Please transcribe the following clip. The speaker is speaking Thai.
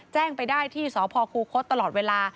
แจ้งไปได้ที่สพคูคศตลอดเวลา